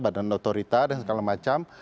badan otorita dan segala macam